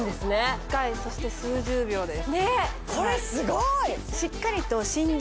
１回そして数十秒です